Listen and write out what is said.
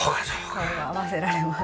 顔が合わせられます。